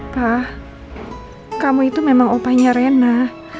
pak kamu itu memang upahnya rena